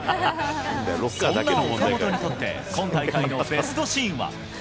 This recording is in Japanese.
そんな岡本にとって、今大会のベストシーンは。